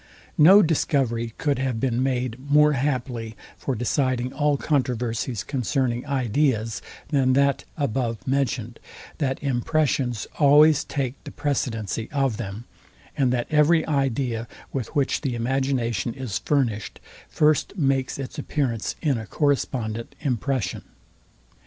No discovery could have been made more happily for deciding all controversies concerning ideas, than that abovementioned, that impressions always take the precedency of them, and that every idea, with which the imagination is furnished, first makes its appearance in a correspondent impression.